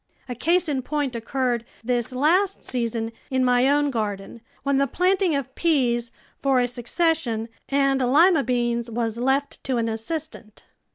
A case in point occurred this last season in my own garden, when the planting of peas, for a succession, and lima beans was left to an assistant.